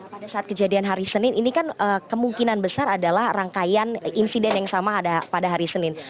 pada saat kejadian hari senin ini kan kemungkinan besar adalah rangkaian insiden yang sama pada hari senin